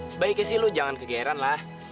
sebaiknya sih lo jangan kegeran lah